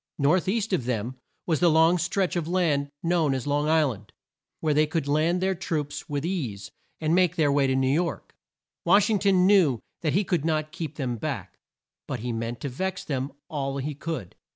North east of them was the long stretch of land known as Long Isl and, where they could land their troops with ease, and make their way to New York. Wash ing ton knew that he could not keep them back, but he meant to vex them all he could.